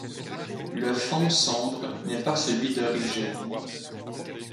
Le fond sombre n'est pas celui d'origine.